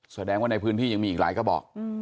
แสดงว่าในพื้นที่ยังมีอีกหลายกระบอก